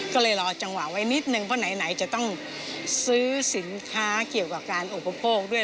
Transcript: ก็เลยรอจังหวะไว้นิดนึงเพราะไหนจะต้องซื้อสินค้าเกี่ยวกับการอุปโภคด้วย